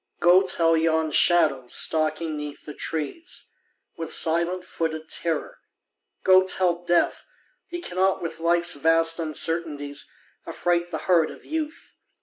Go tell yon shadow stalking 'neath the trees With silent footed terror, go tell Death He cannot with Life's vast uncertainties Affright the heart of Youth